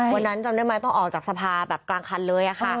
วันนั้นจำได้ไหมต้องออกจากสภาแบบกลางคันเลยค่ะ